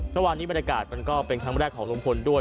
ดังวันนี้บรรยากาศเป็นทั้งแรกของรุ่นมคนด้วย